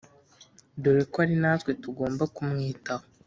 dore ko ari natwe tugomba kumwitaho"